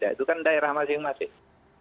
ya itu kan daerah masing masing